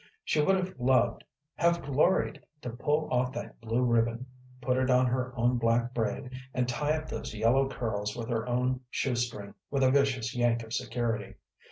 She would have loved, have gloried, to pull off that blue ribbon, put it on her own black braid, and tie up those yellow curls with her own shoe string with a vicious yank of security.